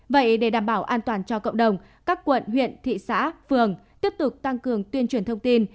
vậy để đảm bảo an toàn cho cộng đồng các quận huyện thị xã phường tiếp tục tăng cường tuyên truyền thông tin